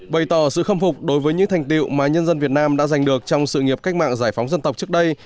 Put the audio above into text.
bày tỏ sự khâm phục đối với những thành tiệu mà nhân dân việt nam đã giành được trong sự nghiệp cách mạng giải phóng dân tộc trước đây